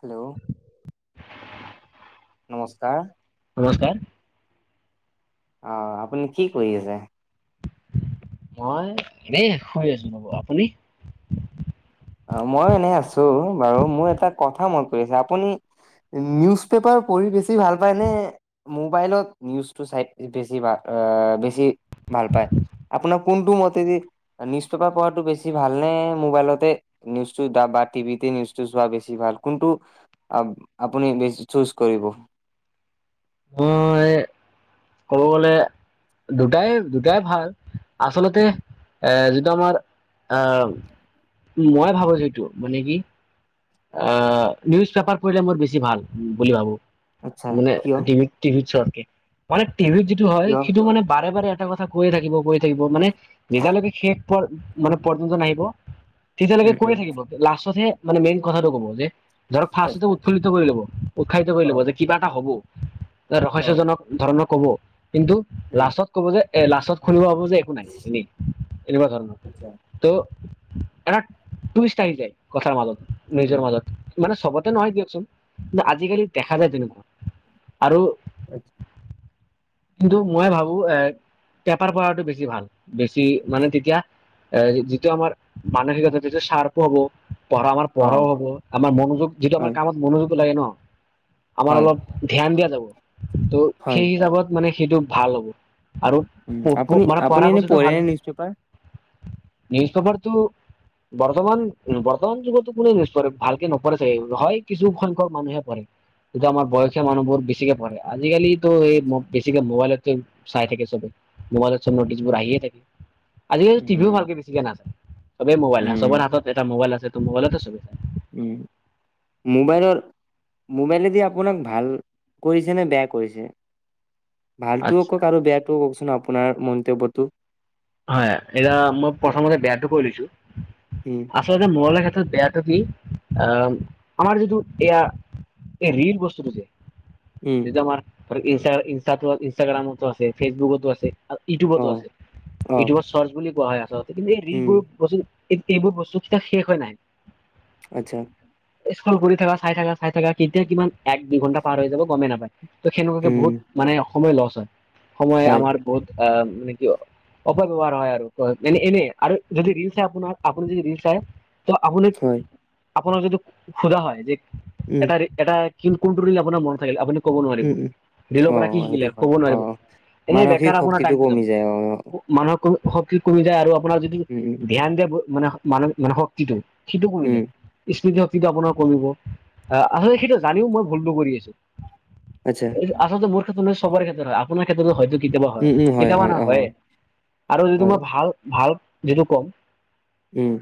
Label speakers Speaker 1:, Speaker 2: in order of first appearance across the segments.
Speaker 1: Hello নমস্কাৰ!
Speaker 2: নমস্কাৰ!
Speaker 1: অ আপুনি কি কৰি আছে?
Speaker 2: মই এ শুই আছো ৰব। আপুনি?
Speaker 1: অ মই এনে আছো বাৰু মোৰ এটা কথা মন পৰিছে আপুনি নিউজ পেপাৰ পঢ়ি বেছি ভাল পায় নে? মোবাইলত নিউজটো চাই দেখিবা আ বেছি ভাল পায়। আপোনাৰ কোনটো মতেদি নিউজ পেপাৰ পঢ়াটো বেছি ভালনেে মোবাইলতে নিউজটো বা টিভিতে নিউজটো চোৱা বেছি ভাল কোনু আপুনি বেছি চুজ কৰি দিব
Speaker 2: অ এই ক'ব গলে দুটাই দুটাই ভাল আচলতে এ যিটো আমাৰ আহ মই ভাবো যিটো মানে কি আহ নিউজ পেপাৰ পঢ়লে মই বেছি ভাল বুলি ভাবো।
Speaker 1: আচ্ছা
Speaker 2: মান
Speaker 1: কিয়
Speaker 2: ভিত টিভিত চৰক মানে টিভিত যিটো হয়
Speaker 1: কিয়
Speaker 2: সেইটো মানে বাৰে বাৰে টা কথা কৈয়ে থাকিব কৈ থাকিব মানে নিজালৈকে শেষ মানে পৰ্যন্ত নাহিব। তেতিয়ালৈকে
Speaker 1: উম
Speaker 2: কৈ
Speaker 1: উম
Speaker 2: থাকিব লাষ্টতহে মানে মেইন কথাটো ক'ব যে ধৰক ফাৰ্ষ্টতে
Speaker 1: আচ্ছা
Speaker 2: উৎফুল্লিত কৰি লব উৎসাহিত কৰি
Speaker 1: অ
Speaker 2: লব যে কিবা এটা হব।
Speaker 1: অ
Speaker 2: ৰহস্যজনক ধৰণৰ কব কিন্তু
Speaker 1: উম
Speaker 2: লাষ্টত কব যে এ লাষ্টত শুনিব একো নাই এনেই এনেকুৱা ধৰণৰ
Speaker 1: আচ্ছা
Speaker 2: তৌ এটা টাইষ্ট আহি যায় কথাৰ মাজত
Speaker 1: উম
Speaker 2: নিজৰ মাজত মানে চবতে নহয় দিয়কচোন কিন্ত আজিকালি দেখা যায় তেনেকুৱা আৰু
Speaker 1: [unintelligible]
Speaker 2: কিন্তু মই ভাবো এ পেপাৰ প়ো বেছি ভাল বেছি মানে তেতিয়া আহ যিটো আমাৰ মানসিকতা যিটোয়া সাৰ্প হব। পঢ়া আমাৰ
Speaker 1: অ
Speaker 2: পঢ়াও হ'ব আমাৰ মনোযোগ যিটো আাৰ
Speaker 1: হয়
Speaker 2: কামত মনোযোগ লাগে ন। আমাৰ
Speaker 1: হয়
Speaker 2: অলপ ধ্যান দিয়া যাব ত'
Speaker 1: হয়
Speaker 2: সেই হিচাপত মানে সেইটো ভাল হ'ব আৰু
Speaker 1: উম আপুনি
Speaker 2: মানে
Speaker 1: আপুনি
Speaker 2: পঢ়া
Speaker 1: এনে
Speaker 2: টো
Speaker 1: পঢ়েনে
Speaker 2: ভালে
Speaker 1: নিউজ পেপাৰ?
Speaker 2: নিউজ পেপাৰটো বৰ্তমান বৰ্তমান যুগতো কোনে নিৰে ভালকে নপৰে চাগ হয় কিছু সংখ্যক মানুহে পৰে। এটো আমাৰ বয়সীয়া মানুহবোৰ বেছিকে প়ঢে আজিকালি টো
Speaker 1: আচ্ছা।
Speaker 2: স বেছিকে মোবাইলতো চাই থাকে চবে মোবাইলত চব ন'টিছবোৰ আহিয়ে থাকে। আজিকালি টিভিও
Speaker 1: উম
Speaker 2: ভালকে বেছিকে নাচায়। চবে মোৱাইল
Speaker 1: উম
Speaker 2: চবৰ হাতত এটা মোৱাইল আছে মোৱাইল চাব
Speaker 1: উম মোৱাইলৰ মোবাইলেদি আপোনাক ভাল কৰিছেনেে বেয়া কৰিছে ভালটোও
Speaker 2: আচ্ছা
Speaker 1: কওক আৰু বেয়াটোও কওকচোন আপোনাৰ মন্তব্যটো।
Speaker 2: হয় এতিয়া মই প্ৰথমতে বেয়াটো কৈ লৈছো
Speaker 1: উম
Speaker 2: আচলতে মোৱাইলৰ ক্ষেত্ৰত বেয়াটো কি অ আমাৰ যিটো এয়া এই ৰি বস্তুটো যে
Speaker 1: উম
Speaker 2: এইটো আমাৰ [unintelligible] ইষ্টা ইষ্টা ইনষ্টটাগ্ৰামতো আছে ফেছবুকতো আছে আৰু
Speaker 1: অ
Speaker 2: ইউটউবতো আছে
Speaker 1: অ
Speaker 2: ইউটিউবত চাৰ্চ বুলি কোৱা হয় আচলতে, কিন্তু এই
Speaker 1: উম
Speaker 2: ৰিলোৰ বস্তু এইবোৰ বস্তু শেষ হয় নাই।
Speaker 1: আচ্ছা
Speaker 2: স্কুল ঘূৰি থাকা চাই থাকা চাই থাকা কেতিয়া কিমান এক দুই ঘণ্টা পাৰ হৈ যাব গমেই নাপায় ত সেনেকুৱাকে
Speaker 1: উম
Speaker 2: বহুত মানে সময় লছ হয় সময়
Speaker 1: হয়
Speaker 2: আমাৰ বহুত আহ মানে কি অপব্যৱহাৰ হয় আৰু মানে এনেই আৰু যদি ৰি'ল আপোনাৰ আপুনি যদি ৰি'ল চাই ত আপুনি
Speaker 1: হয়
Speaker 2: আপোনাৰ যদি সুধা হয় যে
Speaker 1: উম
Speaker 2: এটা এটা কিন্তু কোনটো ৰিলে আপোনাৰ মনত থাকিল আপুনি ক'ব নোৱাৰিব
Speaker 1: উম উম
Speaker 2: ৰি'লৰ
Speaker 1: অ
Speaker 2: পৰা কি শিকিলে
Speaker 1: সেইটো হয়
Speaker 2: ক'ব
Speaker 1: অ
Speaker 2: নোৱাৰিব এনে
Speaker 1: মানসিক
Speaker 2: বেকাৰ আপোনাৰ
Speaker 1: শক্তিটো
Speaker 2: টাইমটো যাব।
Speaker 1: কমি যায় অ
Speaker 2: মানুহৰ ক শক্তি কমি যায় আৰু আপোনাৰ যিটো
Speaker 1: উম উম
Speaker 2: ধ্যান দিয়ে মানে মানুহ মানে শক্তিটো সিটো কমি
Speaker 1: উম
Speaker 2: যায় স্মৃতি শক্তিটো আপোনাৰ কমিব আহ আচলতে সেইটো জানিও মই ভুলতটো কৰি আছো
Speaker 1: আচ্ছা
Speaker 2: [unintelligible] আচলতে মোৰ ক্ষেত্ৰত নহয় সবাৰ ক্ষেত্ৰত হয় আপোনাৰ ক্ষেত্ৰতো হয়তো কেতিয়াবা হয়
Speaker 1: উম উম
Speaker 2: কেতিয়াবা
Speaker 1: হয়
Speaker 2: না
Speaker 1: অ
Speaker 2: হয়য়েই আৰু যিটো
Speaker 1: হয়
Speaker 2: মই ভাল ভাল যিটো কম
Speaker 1: উম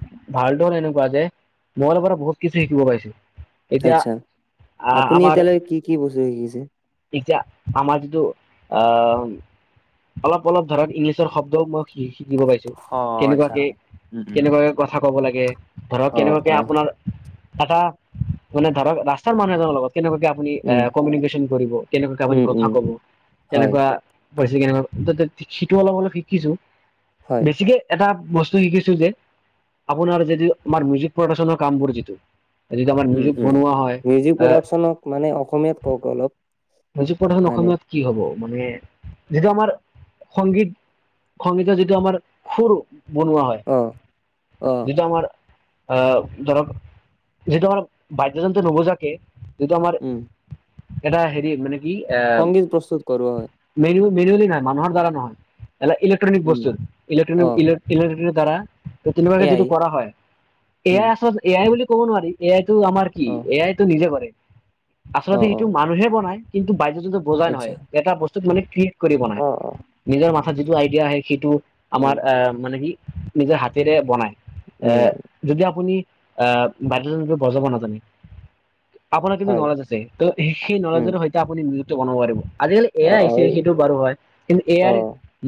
Speaker 2: ভাল এনেকুৱা যে মবাইলৰ পৰা বহুত কিছু শিকিব পাইছো এতিয়া
Speaker 1: আচ্ছা
Speaker 2: আহ
Speaker 1: আপুনি
Speaker 2: আমাৰ
Speaker 1: এতিয়ালৈকে কি কি বস্তু শিকিছে
Speaker 2: এতিয়া আমাৰ যিটো আহ অলপ অলপ ধৰক ইংলিছৰ শব্দও মই শিকিব পাইছো
Speaker 1: অ আচ্ছা
Speaker 2: কেনেকুৱাকে
Speaker 1: হয় উম উম
Speaker 2: কেনেকুৱাকে কথা কব লাগে ধৰক
Speaker 1: অ
Speaker 2: কেনেকুৱাকে
Speaker 1: অ
Speaker 2: আপোনাৰ এটা মানে ধৰক ৰাস্তাৰ মানুহ এজনৰ লগত কেনেকুৱাকে আপুনি
Speaker 1: উম
Speaker 2: কমিউনিকেশন কৰিব কেনেকুৱাকে আপুনি
Speaker 1: উম
Speaker 2: কথা
Speaker 1: উম
Speaker 2: ক'ব,
Speaker 1: হয়
Speaker 2: তেনেকুৱা পাইছে কেনেকুৱা সিটো অলপ অলপ শিকিছো
Speaker 1: হয়
Speaker 2: বেছিকে এটা বস্তু শিকিছো যে আপোনাৰ যদি আমাৰ মিউজিক প্ৰডাকচনৰ কামবোৰ যিটো যিটো আমাৰ
Speaker 1: উম
Speaker 2: মিউজিক
Speaker 1: উম
Speaker 2: বনোৱা হয়
Speaker 1: মিউজিক
Speaker 2: আহ
Speaker 1: প্ৰডাকচনক মানে অসমীয়াত কওক অলপ
Speaker 2: বুজি প্ৰধান
Speaker 1: মানে
Speaker 2: অসমীয়াত কি হ'ব? [unintelligible] মানে যিটো আমাৰ সংগীত সংগীতৰ যিটো আমাৰ খুৰ বনোৱা হয়
Speaker 1: অ অ
Speaker 2: যিটো আমাৰ আহ ধৰক যিহেতু আমাৰ বাদ্যযন্ত্ৰ নৱজাকে এইটো আমাৰ
Speaker 1: উম
Speaker 2: এটা হেৰি মানে কি এ
Speaker 1: সংগীত প্ৰস্তুত কৰোৱা হয়
Speaker 2: মেল মেনুৱেলি নহয় মানুহৰ দ্বাৰা নহয় এটা ইলেক্ট্ৰনিক
Speaker 1: উম
Speaker 2: বস্তু
Speaker 1: অ
Speaker 2: ইলেকট্ৰনিক ইলেকট্ৰিক দ্বাৰা ত তেনেকুৱাকে
Speaker 1: এয়াই
Speaker 2: যিটো কৰা হয়
Speaker 1: উম
Speaker 2: এ আই আচলতে এ আই বুলি ক'ব নোৱাৰি এ আই টো আমাৰ কি
Speaker 1: অ
Speaker 2: এ আইতো নিজে কৰে
Speaker 1: অ
Speaker 2: আচলতে
Speaker 1: অ
Speaker 2: সেইটো মানুহে বনাই কিন্তু [unintelligible] বজাই
Speaker 1: আচ্ছা
Speaker 2: নহয় এটা বস্তুত মানে কি কৰিব নাই
Speaker 1: অ অ
Speaker 2: নিজৰ
Speaker 1: উম
Speaker 2: মাথাত যিটো আইডিয়া আহে সেইটো আমাৰ
Speaker 1: উম
Speaker 2: আহ মানে কি নিজৰ হাতেৰে বনাই
Speaker 1: উম,
Speaker 2: এৰ যদি আপুনি আহ বাদ্যযন্ত্ৰ বজাৱ নাজানে আপোনাৰ কিন্তু
Speaker 1: হয়
Speaker 2: নলেজ আছে ত সেই
Speaker 1: উম
Speaker 2: নলেজৰ সৈতে আপুনি নিযুক্ত বনাব পাৰিব [unintelligible] আজিকালি
Speaker 1: অ
Speaker 2: এয়া
Speaker 1: অ
Speaker 2: আহিছিল
Speaker 1: এই
Speaker 2: সেইটো বাৰু হয় কিন্তু
Speaker 1: অ
Speaker 2: এয়াৰ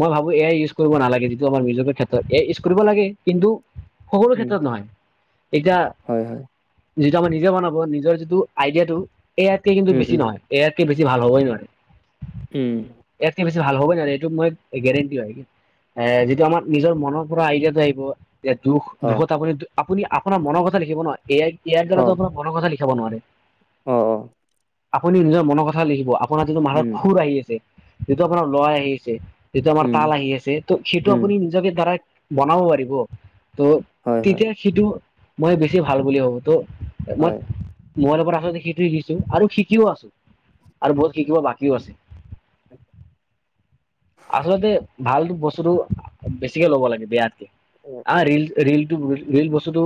Speaker 2: মই ভাবো এয়াই ইউজ কৰিব নালাগে যিটো আমাৰ মিউজিকৰ ক্ষেত্ৰত এ ইউজ কৰিব লাগে কিন্তু সকলো
Speaker 1: উম
Speaker 2: ক্ষেত্ৰত নহয় এতিয়া
Speaker 1: হয় হয়
Speaker 2: নিজা আমাৰ নিজে বনাব, নিজৰ যিটো আইডিয়াটো, এই আয়াতকে কিন্তু
Speaker 1: উম
Speaker 2: বেছি
Speaker 1: উম
Speaker 2: মাৰ‌ হয় বেছি ভাল হ'বই নোৱাৰে
Speaker 1: উম
Speaker 2: ইয়াতকে বেছি ভাল হ'ব ন এইটো মই গেৰেণ্টি হয় কি এ যিটো আমাৰ নিজৰ মনৰ পৰা আইডিয়াটো আহিব। যে দুখ
Speaker 1: অ
Speaker 2: দুখত আপুনি আপোনাৰ মনৰ কথা লিখিব ন এআই এআই দ্বাৰা
Speaker 1: অ
Speaker 2: আপোনাৰ কথা লিখিব খাব নোৱাৰে
Speaker 1: অ অ
Speaker 2: আপুনি নিজৰ মনৰ কথা লিখিব আপোনাৰ যিটো মানত
Speaker 1: উম
Speaker 2: খুৰ আহি আছে যিটো আপোনাৰ লৰা আহি আছে যিটো আমাৰ
Speaker 1: উম
Speaker 2: তাল আহি আছে ত সেইটো
Speaker 1: উম
Speaker 2: আপুনি নিজকে ধাৰাই বনাব পাৰিব ত'
Speaker 1: হয় হয়
Speaker 2: তেতিয়া সিটো মই বেছি ভাল বুলি ভাবো ত'
Speaker 1: হয়
Speaker 2: মই মোবাইলৰ পৰা আচলতে সেইটোৱে শিকছো আৰু শিকিও আছো। আৰু বহুত
Speaker 1: উম
Speaker 2: কি কিব বাকীওঁ আছে আচলতে। ভাল বস্তুতটো বেছিকে ল'ব লাগে বেয়াতকে
Speaker 1: উম
Speaker 2: অঁ
Speaker 1: উম
Speaker 2: ৰি'ল ৰি'ল টো। ৰিল বস্তুটো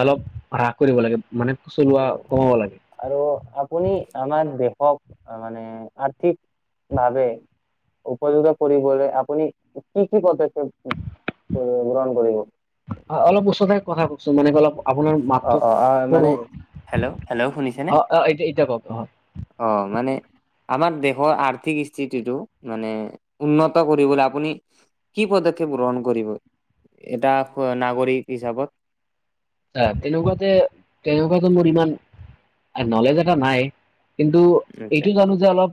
Speaker 2: অলপ হ্ৰাস কৰিব লাগে। মানে চলোৱা
Speaker 1: উম।
Speaker 2: কমাব লাগে।
Speaker 1: আৰু আপুনি আমাৰ দেশক মানে আৰ্থিক ভাৱে। উপযোগ কৰি আপুনি কি কি পথা।
Speaker 2: হয় অলপ ওচৰতে কথা কওঁকচোন মানে অলপ আপোনাৰ
Speaker 1: অ
Speaker 2: মাত্ৰ
Speaker 1: অ অ
Speaker 2: প
Speaker 1: মানে হেল্ল' হেল্ল' শুনিছেনে
Speaker 2: অ
Speaker 1: অঁ মানে আমাৰ। দেশৰ আৰ্থিক স্থিতিটো মানে উন্নত কৰিবলৈ আপুনি। কি পদক্ষেপ গ্ৰহণ কৰিব এটা নাগৰিক হিচাপত।
Speaker 2: আহ তেনেকুৱাতে তেনেকুৱাতে মোৰ ইমান নলেজ এটা নাই। কিন্তু
Speaker 1: আচ্ছা।
Speaker 2: এইটো জানো যে অলপ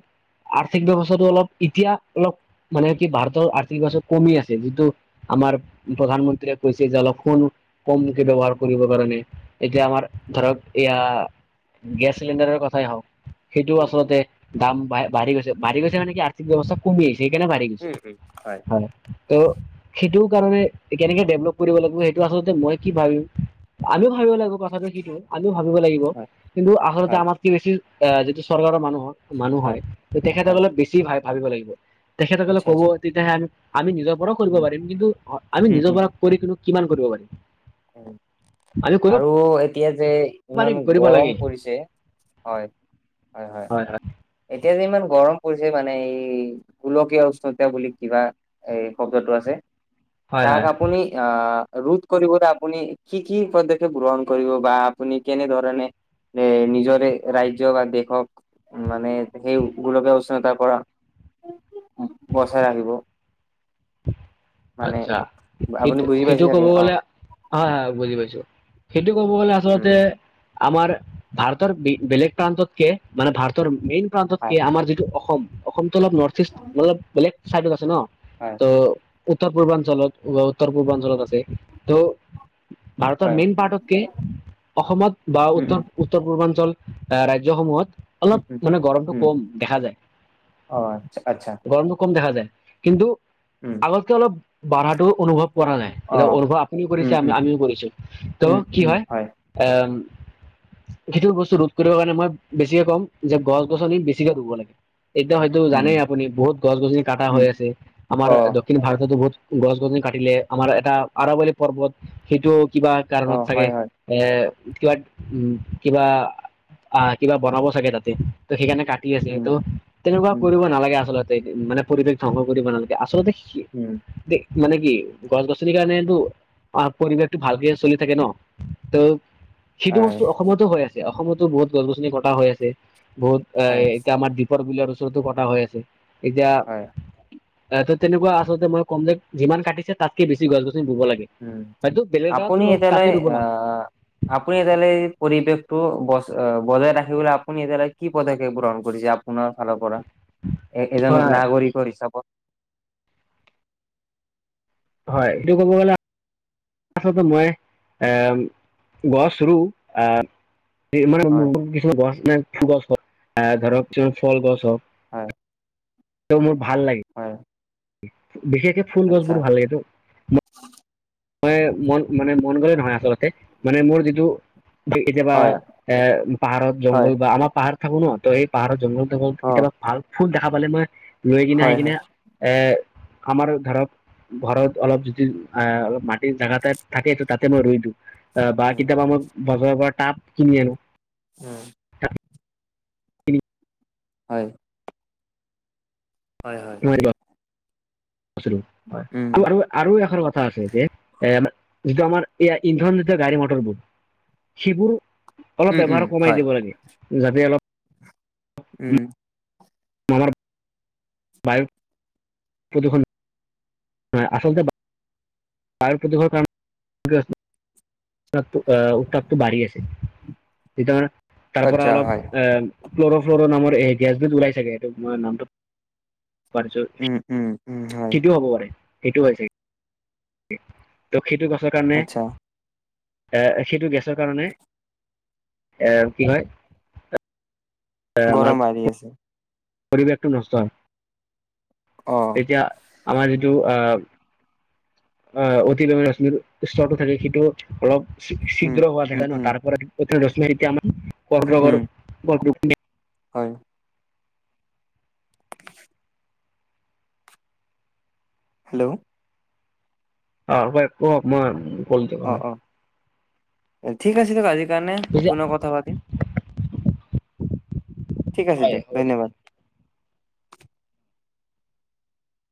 Speaker 2: আৰ্থিক ব্যৱস্থাটো অলপ এতিয়া অলপ মানে কি ভাৰতৰ আৰ্থিক ব্যৱস্থা কমি আছে যিটো আমাৰ আমাৰ প্ৰধানমন্ত্ৰীয়ে কৈছে যে অলপ ফোন কমকে ব্যৱহাৰ। কৰিব কাৰণে এতিয়া আমাৰ ধৰক এয়া গেছ চিলিণ্ডাৰৰ কথাই হওঁক। সেইটোওঁ
Speaker 1: উম উম।
Speaker 2: আচলতে দাম বাঢ়ি বাঢ়ি গৈছে বাঢ়ি গৈছে মানে কি আৰ্থিক ব্যৱস্থা কমি আহিছে। সেইকাৰনে বাঢ়ি গৈছে,
Speaker 1: উম উম
Speaker 2: হয়। ত' সেইটোৰ কাৰণে কেনেকে ডেভলপ কৰিব লাগিব সেইটোৱেই আচলতে মই কি ভাবিম আমিও ভাবিব লাগিব কথাটো সিটো আমিও ভাবিব লাগিব
Speaker 1: হয়
Speaker 2: কিন্তু আচলতে
Speaker 1: হয়
Speaker 2: আমাক কি বেছি আহ যিটো চৰকাৰৰ মানুহ মানুহ হয় তেখেতসক
Speaker 1: হয়
Speaker 2: অপ বেছি ভাবিব লাগিব। তেখেতসকলে
Speaker 1: আচ্ছা
Speaker 2: ক'ব
Speaker 1: আচ্ছা
Speaker 2: তেতিয়াহে আমি আমি নিজৰ পৰাও কৰিব
Speaker 1: উম
Speaker 2: পাৰিম কিন্তু আমি
Speaker 1: উম
Speaker 2: নিজৰ
Speaker 1: উম।
Speaker 2: পৰা কৰি কিন্তু। কিমান কৰিব পাৰি।
Speaker 1: আৰু এতিয়া যে ইমান
Speaker 2: পাৰিম কৰিব
Speaker 1: গৰম
Speaker 2: লাগে
Speaker 1: পৰিছে হয় হয় হয়। এতিয়া যে ইমান-' গৰম পৰিছে মানে এই গোলকীয়া উষ্ণতা বুলি কিবা এই শব্দটো আছে।
Speaker 2: হয়
Speaker 1: তাক
Speaker 2: হয়
Speaker 1: আপুনি আহ ৰোধ কৰিবলৈ। আপুনি কি কি পদক্ষেপ গ্ৰহণ কৰিব বা আপুনি কেনেধৰণে যে নিজৰ ৰাজ্য বা দেশক মানে সেই গুলকীয় উষ্ণতা ৰ পৰা বচাই আহিব।
Speaker 2: আত্ছা
Speaker 1: আপুনি
Speaker 2: সেইটো
Speaker 1: বুজি
Speaker 2: সেইটো
Speaker 1: পাইছে
Speaker 2: ক'ব
Speaker 1: চাগে অ
Speaker 2: গলে। হয় হয় বুজি পাইছো সেইটো কব গলে
Speaker 1: উম
Speaker 2: আচলতে,
Speaker 1: উম
Speaker 2: আমাৰ ভাৰতৰ বেলেগ প্ৰান্ততকে মানে ভাৰতৰ মেইন প্ৰান্ততকে
Speaker 1: হয়
Speaker 2: আমাৰ যিটো অসম অসমটোো অলপ নৰ্থ ইষ্ট মান অলপ বেলেগ চাইডত আছে ন।
Speaker 1: হয়
Speaker 2: ত উত্তৰ পূৰ্বাঞ্চলত উত্তৰ পূৰ্বাঞ্চলত আছে ত ভাৰতৰ
Speaker 1: হয়
Speaker 2: মেইন পাৰ্টতকে অসমত বা
Speaker 1: উম
Speaker 2: উত্তৰ
Speaker 1: উম
Speaker 2: উত্তৰ পূৰ্বাঞ্চল। আহ ৰাজ্যসমূহত। অলপ
Speaker 1: উম উম
Speaker 2: মানে গৰমটো
Speaker 1: উম
Speaker 2: কম দেখা যায়
Speaker 1: অ আচ্ছা আচ্ছা
Speaker 2: গৰমটো কম দেখা যায়। কিন্তু
Speaker 1: উম
Speaker 2: আগতকে অলপ বাধাটো অনুভৱ কৰা যায়
Speaker 1: অ
Speaker 2: এয়া অৰ্ভ আপুনিও কৰিছে
Speaker 1: উম উম
Speaker 2: আমিও কৰিছো ত'
Speaker 1: উম
Speaker 2: কি
Speaker 1: উম
Speaker 2: হয় এ। খিটোৰ বস্তু ৰোধ কৰিব কাৰণে মই বেছিকে ক'ম যে গছ গছনি বেছিকে ৰুব লাগে। এতিয়া হয়তো
Speaker 1: উম
Speaker 2: জানেই আপুনি বহুত গছ গছনি কাটা
Speaker 1: উম
Speaker 2: হৈ আছে আমাৰ
Speaker 1: অ
Speaker 2: দক্ষিণ ভাৰতত বহুত গছ গছনি কাটিলে আমাৰ এটা আৰৱলী পৰ্বত সেইটো, কিবা
Speaker 1: অ
Speaker 2: কাৰণত থাকে
Speaker 1: হয় হয়
Speaker 2: এ কিবা উম কিবা আহ কিবা বনাব চাগে তাতে ত সেইকাৰণে কাটি আছে স
Speaker 1: উম
Speaker 2: তটো তেনেকুৱা
Speaker 1: উম
Speaker 2: কৰিব নালাগে আচলতে মানে পৰিৱেশ ধ্বংস কৰিব নালাগে
Speaker 1: উম
Speaker 2: আচলতে, মানে কি গছ গছনিৰ কাৰণেটো অ পৰিৱেশটো ভালকে চলি থাকে ন ত সেইটো
Speaker 1: হয়
Speaker 2: বস্তু অসমতো হৈ আছে অসমতো বহুত গছ গছনি কটা হৈ আছে বহুত এ
Speaker 1: হয়
Speaker 2: এতিয়া আমাৰ দিপৰ বিলৰ ওচৰতো কটা হৈ আছে এতিয়া
Speaker 1: হয়
Speaker 2: আহ ত তেনেকুৱা আচলতে মই কম যেক যিমান কাটিছে তাতকে বেছি গছ
Speaker 1: উম
Speaker 2: [unintelligible]
Speaker 1: আপুনি
Speaker 2: ৰুৱক তাতে
Speaker 1: এতিয়ালৈ
Speaker 2: ৰুব নালাগে
Speaker 1: আহ আপুনি এতিয়ালৈ এই পৰিৱেশটো ব অ বজাই ৰাখিবলৈ আপুনি এতিয়ালৈ কি পদক্ষেপ গ্ৰহণ কৰিছে আপোনাৰ ফালৰ পৰা এ এজন
Speaker 2: হয় হয়
Speaker 1: নাগৰিকৰ হিচাপত
Speaker 2: হয় এইটো ক'ব গ'লে, আচলতে মই এ গছ ৰু আহ মানে
Speaker 1: হয়
Speaker 2: কিছুমান গছ ন ফুল গছ হওক আহ ধৰক ফল গছ হওক
Speaker 1: হয়
Speaker 2: তেওঁ মোৰ ভাল লাগে
Speaker 1: হয়
Speaker 2: বিশেষকে ফুল
Speaker 1: আচ্ছা
Speaker 2: গছবোৰ ভাল লাগেতো মই মন মানে মন গ'লে নহয় আচলতে, মানে মোৰ যিটো কেতিয়াবা
Speaker 1: হয়
Speaker 2: এ পাহাৰত
Speaker 1: হয়
Speaker 2: জংঘল বা আমাৰ পাহাৰত থাকো ন ত এই পাহাৰৰ জংঘল জঘল
Speaker 1: অ
Speaker 2: কেতিয়াবা ভাল ফুল দেখা পালে মই লৈ কিনে আহি
Speaker 1: হয়
Speaker 2: কিনে
Speaker 1: হয়
Speaker 2: এ আমাৰ ধৰক ঘৰত অলপ যদি আহ মাটিৰ জোগা থাকেটো তাতে মই ৰুই দিওঁ অ বা
Speaker 1: উম
Speaker 2: কেতিয়াবা মই বজাৰৰ পৰা তাপ কিনি আনো।
Speaker 1: উম
Speaker 2: টাব কিনি
Speaker 1: হয় হয় হয়
Speaker 2: বস্তুটো হয়
Speaker 1: উম
Speaker 2: আৰু আৰু এখন কথা আছে যে এ যিটো আমাৰ এইয়া ইন্ধন জাতীয় গাড়ী মটৰবোৰ সেইবোৰ
Speaker 1: উম
Speaker 2: অলপ
Speaker 1: উম
Speaker 2: ব্যৱহাৰ কমাই
Speaker 1: হয়
Speaker 2: দিব লাগে যাতে অলপ
Speaker 1: উম
Speaker 2: মাৰাৰ [unintelligible] বায়ু প্ৰদুষন আচলতে বায়ুৰ প্ৰদূষৰ কাৰণে উত্তাপ আহ উত্তাপটো বাঢ়ি আছে তেতিয়া তাৰ পৰা
Speaker 1: আচ্ছা
Speaker 2: অলপ
Speaker 1: হয়
Speaker 2: আহ, ক্লৰ' ফ্লৰ নামৰ এ গেছবিত ওলাই চাগে সেটো মই নামটো পাৰছৰ
Speaker 1: উম উম উম হয়
Speaker 2: সেইটোও হ'ব পাৰে সেইটো হয় চাগে ত সেইটো গছৰ কাৰণে
Speaker 1: আচ্ছা
Speaker 2: এ সেইটো গেছৰ কাৰণে এ কি হয়। আমাৰ
Speaker 1: গৰম বাঢ়ি আছে
Speaker 2: পৰিৱেশটো নষ্ট
Speaker 1: অ
Speaker 2: হয় এতিয়া আমাৰ যিটো আহ অহ অতি প্ৰেমে ৰশ্মিৰ স্ততো থাকে সেইটো অলপ
Speaker 1: উম
Speaker 2: চিদ্ৰ হোৱা
Speaker 1: উম
Speaker 2: থাকে ন
Speaker 1: উম
Speaker 2: তাৰপৰা ৰশ্মিতি আমাৰ কৰ
Speaker 1: উম
Speaker 2: [unintelligible]
Speaker 1: হয় হেল্ল'
Speaker 2: অ কয়ক মই [unintelligible]
Speaker 1: অ অ ঠিক আছে দে আজি কাৰণে পুনৰ কথা পাতিম ঠিক আছে
Speaker 2: হয়
Speaker 1: দিয়ক
Speaker 2: হ'ব
Speaker 1: ধন্যবাদ